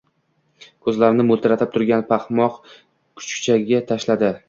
koʼzlarini moʼltiratib turgan paxmoq kuchukka tashladi.